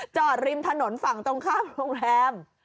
ริมถนนฝั่งตรงข้ามโรงแรม